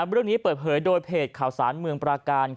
เรื่องนี้เปิดเผยโดยเพจข่าวสารเมืองปราการ